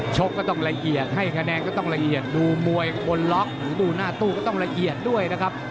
ก็ต้องละเอียดให้คะแนนก็ต้องละเอียดดูมวยคนล็อกหรือดูหน้าตู้ก็ต้องละเอียดด้วยนะครับ